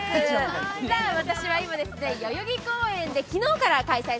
私は今、代々木公園で昨日から開催